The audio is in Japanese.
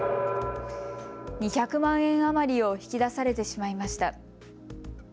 ２００万円余りを引き出されてしまいました。